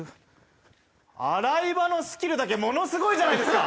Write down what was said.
洗い場のスキルだけものすごいじゃないですか！